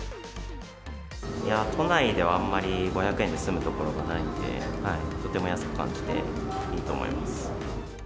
都内ではあんまり、５００円で済むところがないので、とても安く感じていいと思います。